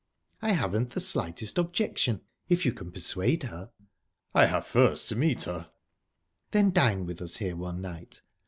"I haven't the slightest objection, if you can persuade her." "I have first to meet her." "Then dine with us here one night.